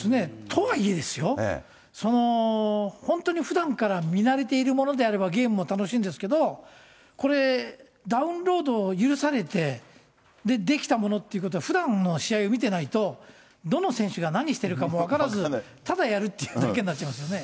とはいえですよ、本当にふだんから見慣れているものであれば、ゲームも楽しいんですけど、これ、ダウンロード許されて、できたものっていうことは、ふだんの試合を見てないと、どの選手が何してるかも分からず、ただやるっていうだけになっちゃいますよね。